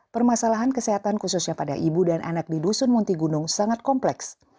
permasalahan kesehatan khususnya pada ibu dan anak di dusun munti gunung sangat kompleks